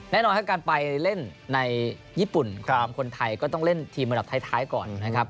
แน่นอนครับการไปเล่นในญี่ปุ่นทีมคนไทยก็ต้องเล่นทีมระดับท้ายก่อนนะครับ